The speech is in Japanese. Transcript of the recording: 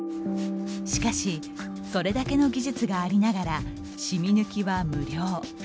しかし、それだけの技術がありながら、シミ抜きは無料。